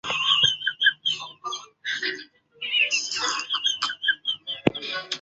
看见了水果店的她